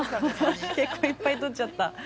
結構いっぱい取っちゃった。